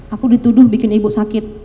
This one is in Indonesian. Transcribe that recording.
aku dituduh bikin ibu sakit